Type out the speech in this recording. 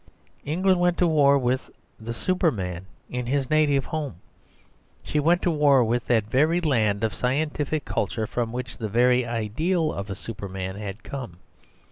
England went to war with the Superman in his native home. She went to war with that very land of scientific culture from which the very ideal of a Superman had come.